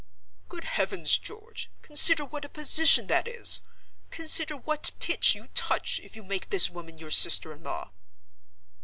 Good heavens, George, consider what a position that is! Consider what pitch you touch, if you make this woman your sister in law."